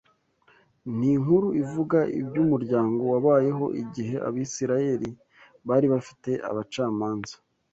Ni inkuru ivuga iby’umuryango wabayeho igihe Abisirayeli bari bafite abacamanza